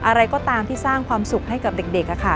อะไรก็ตามที่สร้างความสุขให้กับเด็ก